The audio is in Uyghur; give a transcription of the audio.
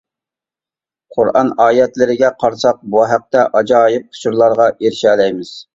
قۇرئان ئايەتلىرىگە قارىساق بۇ ھەقتە ئاجايىپ ئۇچۇرلارغا ئېرىشەلەيمىز.